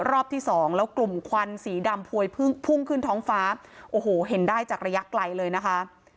รอบที่สองแล้วกลุ่มควันสีดำพวยพุ่งขึ้นท้องฟ้าโอ้โหเห็นได้จากระยะไกลเลยนะคะ